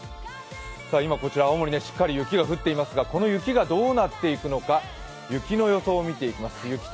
今、こちら青森しっかり雪が降っていますが、この雪がどうなっていくのか、雪の予想を見ていきます